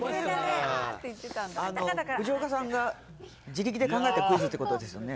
藤岡さんが自力で考えたクイズってことですよね？